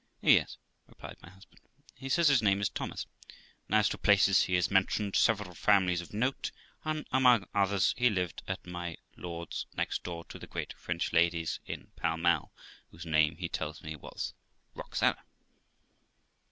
'Yes', replied my husband, 'he says his name is Thomas ; and as to places, he has mentioned several families of note, and among others, he lived at my Lord ', next door to the great French lady's in Pall Mall, whose name he tells me was Roxana.'